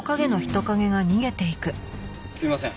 すいません。